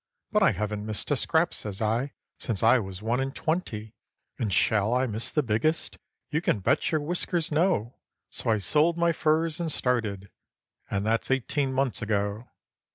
"But I haven't missed a scrap," says I, "since I was one and twenty. And shall I miss the biggest? You can bet your whiskers no!" So I sold my furs and started ... and that's eighteen months ago.